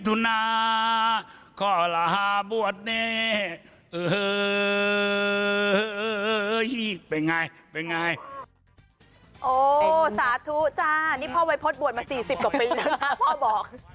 โอ๊ะสาธุจ้านี่พ่อไวพสบวชมา๔๐กว่าปีพ่อบอก